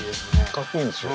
かっこいいんですよ。